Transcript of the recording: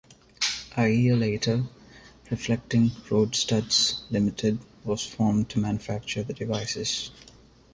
A year later, Reflecting Roadstuds Limited was formed to manufacture the devices.